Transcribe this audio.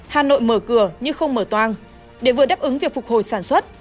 hà nội mở cửa nhưng không mở toang để vừa đáp ứng việc phục hồi sản xuất